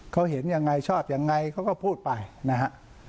เขาเห็นยังไงชอบยังไงเขาก็พูดไปนะฮะ